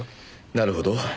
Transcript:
なるほど。